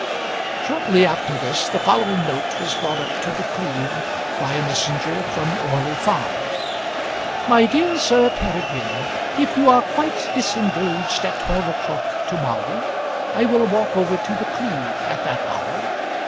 Shortly after this the following note was brought up to The Cleeve by a messenger from Orley Farm: MY DEAR SIR PEREGRINE, If you are quite disengaged at twelve o'clock to morrow, I will walk over to The Cleeve at that hour.